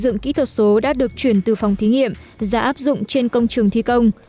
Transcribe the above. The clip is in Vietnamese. sử dụng kỹ thuật số đã được chuyển từ phòng thí nghiệm ra áp dụng trên công trường thi công